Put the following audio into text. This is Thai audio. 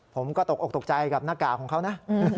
ผมก็ตกออกตกใจกับหน้ากากของเขานะ